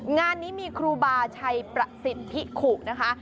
งานนี้มีครูบาชัยประสิทธิขุนะคะ